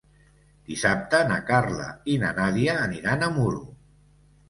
Dissabte na Carla i na Nàdia aniran a Muro.